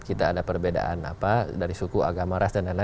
kita ada perbedaan dari suku agama ras dll